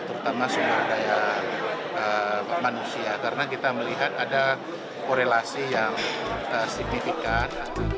terutama sumber daya manusia karena kita melihat ada korelasi yang signifikan